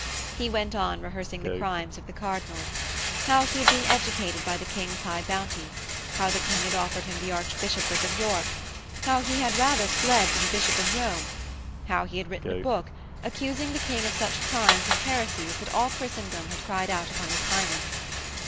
He went on rehearsing the crimes of the cardinal: how he had been educated by the King's high bounty: how the King had offered him the Archbishopric of York: how he had the rather fled to the Bishop of Rome: how he had written a book, accusing the King of such crimes and heresies that all Christendom had cried out upon his Highness.